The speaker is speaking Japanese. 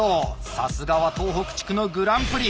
さすがは東北地区のグランプリ！